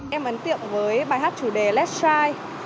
em ấn tiện với bài hát chủ đề let s try